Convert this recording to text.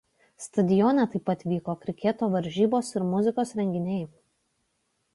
Stadione taip pat vyko kriketo varžybos ir muzikos renginiai.